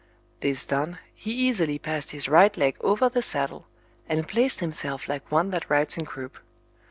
This done, he easily passed his right leg over the saddle, and placed himself like one that rides in croup.